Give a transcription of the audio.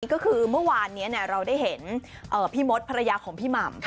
ก็คือเมื่อวานนี้เราได้เห็นพี่มดภรรยาของพี่หม่ำ